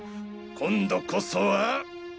今度こそは。